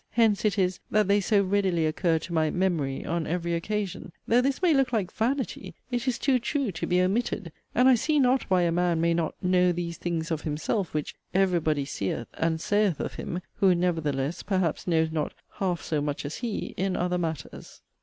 Hence it is, that they so readily occur to my 'memory' on every occasion though this may look like 'vanity,' it is too true to be omitted; and I see not why a man may not 'know these things of himself,' which 'every body' seeth and 'saith of him'; who, nevertheless, perhaps know not 'half so much as he,' in other matters.